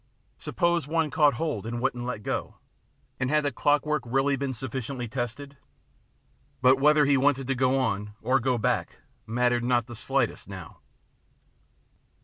Suppose one caught hold and wouldn't let go. And had the clockwork really been sufficiently tested ? But whether he wanted to go on or to go back mattered not the slightest now.